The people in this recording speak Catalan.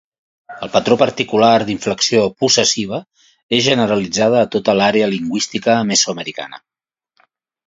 El patró particular d'inflexió possessiva és generalitzada a tota l'àrea lingüística mesoamericana.